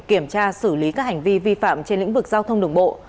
kiểm tra xử lý các hành vi vi phạm trên lĩnh vực giao thông đường bộ